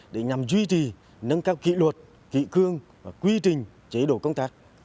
để nhằm duy trì nâng cao kỷ luật kỷ cương và quy trình chế độ công tác